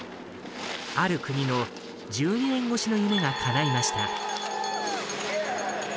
ある国の１２年越しの夢が叶いました。